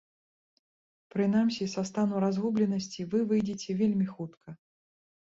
Прынамсі, са стану разгубленасці вы выйдзеце вельмі хутка.